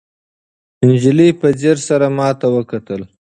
نجلۍ په ځیر سره ماته وکتل.